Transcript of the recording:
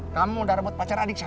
kamu udah rebut pacar adik saya